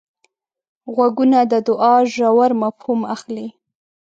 غوږونه د دوعا ژور مفهوم اخلي